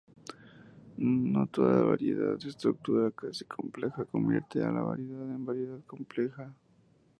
No toda variedad estructura casi compleja convierte a la variedad en variedad compleja.